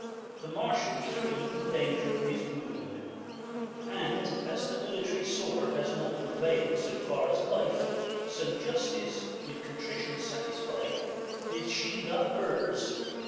The marshal's free from danger of his wound ; And as the military sword has not Prevail'd so far as life, so Justice, with Contrition satisfied, did sheathe up hers.